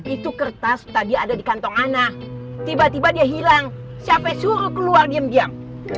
itu kertas tadi ada di kantong anak tiba tiba dia hilang siapa suruh keluar diam diam